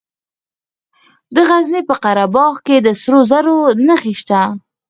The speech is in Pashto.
د غزني په قره باغ کې د سرو زرو نښې شته.